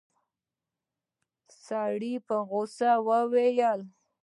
سړي په غوسه وويل.